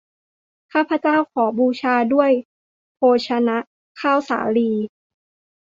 ข้าพเจ้าขอบูชาด้วยโภชนะข้าวสาลี